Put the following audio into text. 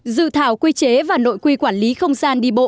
dự thảo quy chế và nội quy quản lý không gian đi bộ